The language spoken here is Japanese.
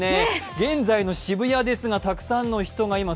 現在の渋谷ですが、たくさんの人がいます。